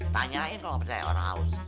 tanyain loh percaya orang haus